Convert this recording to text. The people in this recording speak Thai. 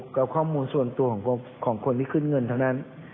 กับข้อมูลส่วนตัวของคนที่ขึ้นเงินเท่านั้น